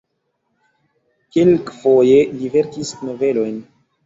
Kelkfoje li verkis novelojn.